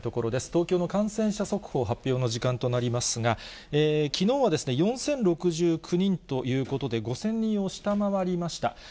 東京の感染者速報発表の時間となりますが、きのうは４０６９人ということで、５０００人を下回りました。